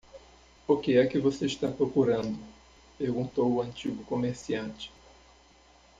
"O que é que você está procurando?" perguntou o antigo comerciante.